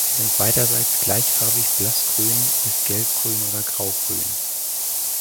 Sie sind beiderseits gleichfarbig blassgrün bis gelbgrün oder graugrün.